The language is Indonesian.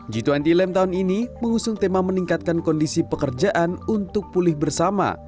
g dua puluh lem tahun ini mengusung tema meningkatkan kondisi pekerjaan untuk pulih bersama